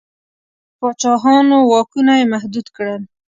د پاچاهانو واکونه یې محدود کړل.